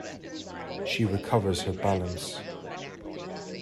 She recovers her balance.